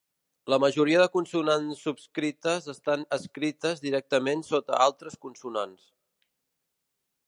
La majoria de consonants subscrites estan escrites directament sota altres consonants.